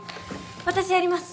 私やります！